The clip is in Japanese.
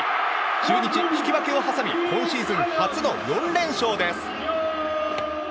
中日、引き分けを挟み今シーズン初の４連勝です。